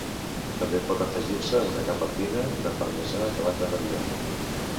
També pot afegir-se una capa fina de parmesà acabat de ratllar.